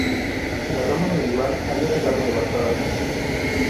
La Roma medieval había quedado devastada.